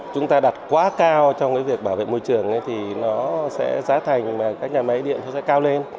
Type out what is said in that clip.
chúng ta đặt quá cao trong cái việc bảo vệ môi trường thì nó sẽ giá thành mà các nhà máy điện nó sẽ cao lên